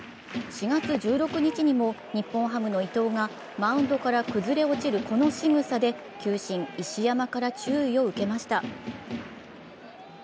４月１６日にも日本ハムの伊藤がマウンドから崩れ落ちる、このしぐさで球審・石山から注意を受けました。